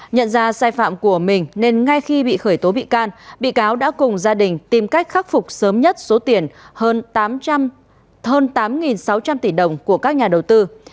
nhận ra sai phạm của mình nên ngay khi bị khởi tố bị can bị cáo đã cùng gia đình tìm cách khắc phục sớm nhất số tiền hơn tám sáu trăm linh tỷ đồng của các nhà đầu tư